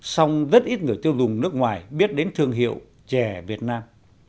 song rất ít người tiêu dùng nước ngoài biết đến thương hiệu chè việt nam